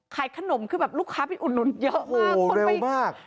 ขายขนมคือแบบลูกค้าไปอุนเยอะมาก